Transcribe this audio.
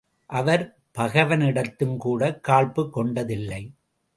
அவர் பகைவனிடத்தும்கூடக் காழ்ப்புக் கொண்டதில்லை.